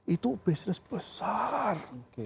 itu bisnis besar